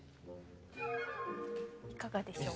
いかがでしょうか？